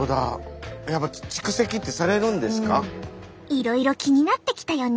いろいろ気になってきたよね？